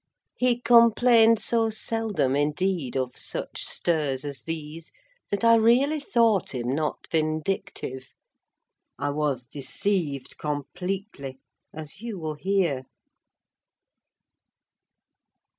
He complained so seldom, indeed, of such stirs as these, that I really thought him not vindictive: I was deceived completely, as you will hear.